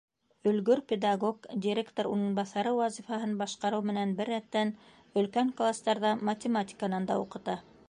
Өлгөр педагог, директор урынбаҫары вазифаһын башҡарыу менән бер рәттән, өлкән кластарҙа математиканан да уҡыта.